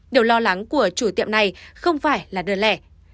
điều lo lắng của chủ tiệm này không phải là đơn lẻ